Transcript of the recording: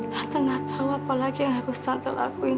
tante gak tau apa lagi yang harus tante lakuin